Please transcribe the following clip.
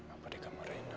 apa di kamar reina